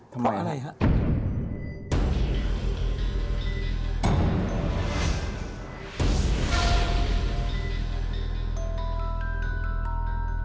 ทำอะไรครับ